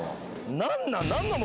何なん？